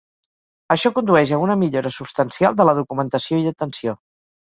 Això condueix a una millora substancial de la documentació i atenció.